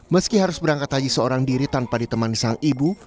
meski harus berangkat haji seorang diri tanpa ditemani sang ibu